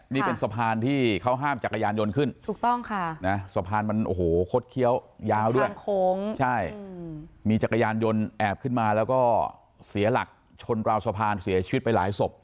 นี่เป็นสะพานที่เขาห้ามจักรยานยนต์ขึ้นถูกต้องค่ะนะสะพานมันโอ้โหคดเคี้ยวยาวด้วยทางโค้งใช่มีจักรยานยนต์แอบขึ้นมาแล้วก็เสียหลักชนราวสะพานเสียชีวิตไปหลายศพ